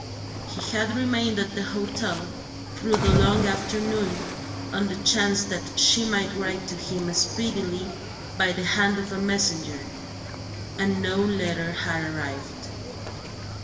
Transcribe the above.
He had remained at the hotel, through the long afternoon, on the chance that she might write to him speedily by the hand of a messenger and no letter had arrived.